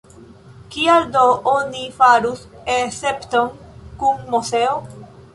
Kial do oni farus escepton kun Moseo?